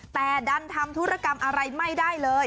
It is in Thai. แต่ดันทำธุรกรรมอะไรไม่ได้เลย